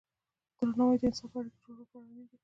درناوی د انصافی اړیکو جوړولو لپاره اړین دی.